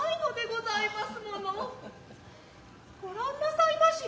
御覧なさいまし